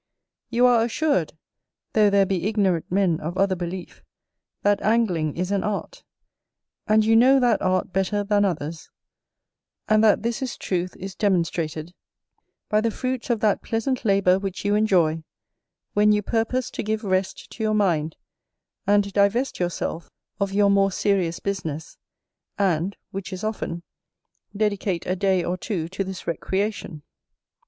You are assured, though there be ignorant men of another belief, that Angling is an Art: and you know that Art better than others; and that this is truth is demonstrated by the fruits of that pleasant labour which you enjoy, when you purpose to give rest to your mind, and divest yourself of your more serious business, and, which is often, dedicate a day or two to this recreation.